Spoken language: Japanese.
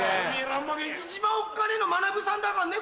一番おっかねえのまなぶさんだかんね